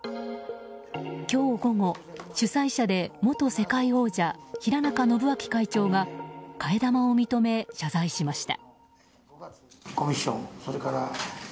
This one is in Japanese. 今日午後、主催者で元世界王者平仲信明会長が替え玉を認め、謝罪しました。